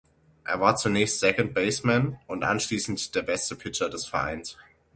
Er war zunächst Second Baseman und anschließend der beste Pitcher des Vereins.